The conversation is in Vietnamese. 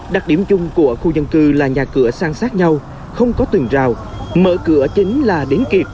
đặc điểm chung của khu dân cư là nhà cửa sang sát nhau không có tường rào mở cửa chính là đến kịp